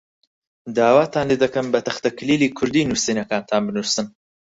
داواتان لێ دەکەم بە تەختەکلیلی کوردی نووسینەکانتان بنووسن.